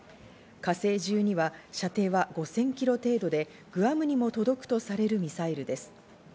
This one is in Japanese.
火星１２は射程は５０００キロ程度でグアムにも届くとされるミサイルです。